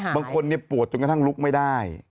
บางคนปวดจนกระทั่งลุกไม่ได้